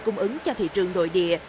cung ứng cho thị trường nội địa